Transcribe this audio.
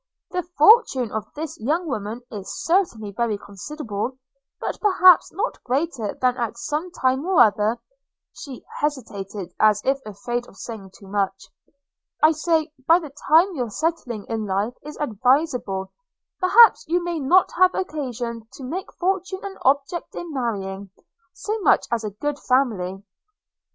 – The fortune of this young woman is certainly very considerable: but, perhaps, not greater than at some time or other – (she hesitated as if afraid of saying too much) – I say, by the time your settling in life is advisable, perhaps you may not have occasion to make fortune an object in marrying, so much as a good family.